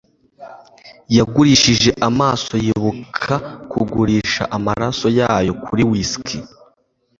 Yagurishije amaso yibuka, kugurisha amaraso yayo kuri whisky,